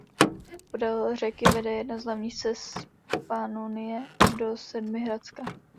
Podél řeky vede jedna z hlavních cest z Panonie do Sedmihradska.